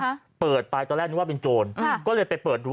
ค่ะเปิดไปตอนแรกนึกว่าเป็นโจรอ่าก็เลยไปเปิดดู